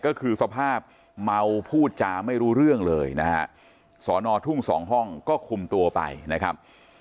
ก็คือสภาพเมาพูดจาไม่รู้เรื่องเลยนะฮะสอนอทุ่งสองห้องก็คุมตัวไปนะครับ